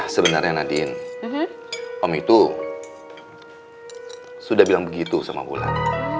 sebenarnya nadine om itu sudah bilang begitu sama bulan